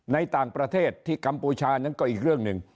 ในต่างประเทศที่กัมพูชานั้นก็อีกเรื่องหนึ่ง